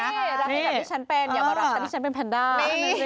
ใช่รักฉันอย่างที่ฉันเป็นอย่ามารักฉันที่ฉันเป็นแพนด้า